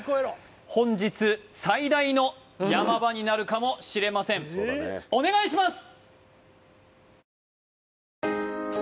本日最大のヤマ場になるかもしれませんお願いします！